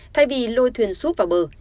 thay vì lôi thuyền súp vào bờ